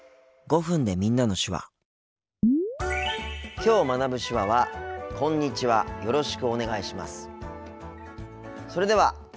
きょう学ぶ手話はそれでは。